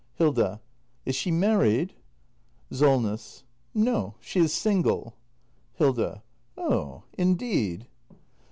Hilda. Is she married ? SOLNESS. No, she is single. Hilda. Oh, indeed!